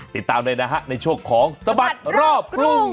ติดตามด้วยนะคะในช่วงของสบัดรอบกรุง